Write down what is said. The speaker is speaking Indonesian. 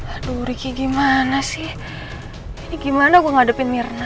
aduh ricky gimana sih ini gimana gue ngadepin mirna